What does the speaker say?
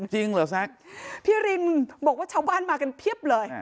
จริงเหรอแซ็กพี่รินบอกว่าชาวบ้านมากันเพียบเลย